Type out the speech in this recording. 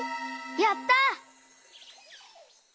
やった！